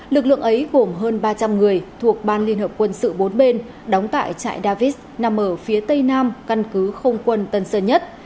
lực lượng ấy gồm hơn ba trăm linh người thuộc ban liên hợp quân sự bốn bên đóng tại trại davis nằm ở phía tây nam căn cứ không quân tân sơn nhất